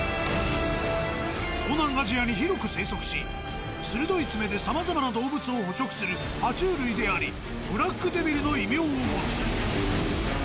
東南アジアに広く生息し鋭い爪でさまざまな動物を捕食する爬虫類でありブラックデビルの異名を持つ。